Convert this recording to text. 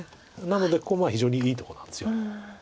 なのでここ非常にいいとこなんです。